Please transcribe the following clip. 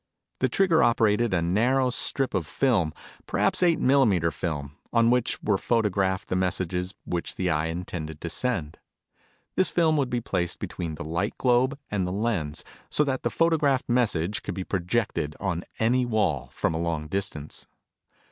The trigger operated a narrow strip of film, perhaps eight millimeter film, on which were photographed the messages which the Eye intended to send. This film would be placed between the light globe and the lens, so that the photographed message could be projected on any wall from a long distance.